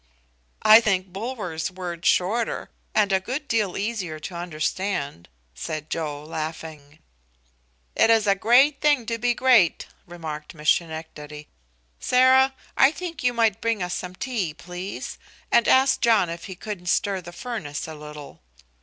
"I think Bulwer's word shorter, and a good deal easier to understand," said Joe, laughing. "It is a great thing to be great," remarked Miss Schenectady. "Sarah, I think you might bring us some tea, please, and ask John if he couldn't stir the furnace a little.